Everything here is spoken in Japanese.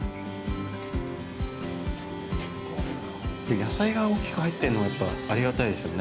野菜が大きく入ってるのがやっぱありがたいですよね。